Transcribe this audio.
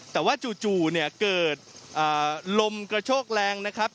แต่ว่าจู่เนี่ยเกิดลมกระโชกแรงนะครับ